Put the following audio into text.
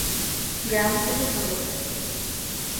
গ্রামগুলো হলোঃ